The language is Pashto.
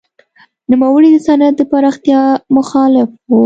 نوموړی د صنعت د پراختیا مخالف و.